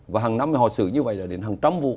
và hàng năm họ xử như vậy là đến hàng trăm vụ